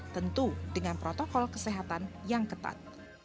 tentu dengan protokol kesehatan yang ketat